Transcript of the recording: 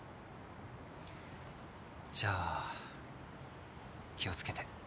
じゃあ気をつけて。